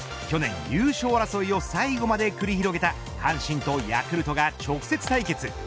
去年優勝争いを最後まで繰り広げた阪神とヤクルトが直接対決。